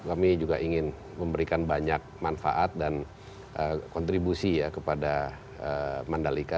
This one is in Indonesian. kami juga ingin memberikan banyak manfaat dan kontribusi ya kepada mandalika